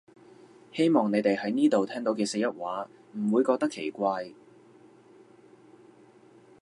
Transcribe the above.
希望你哋喺呢度聽到四邑話唔會覺得奇怪